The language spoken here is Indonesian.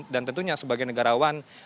dan tentunya sebagai negarawan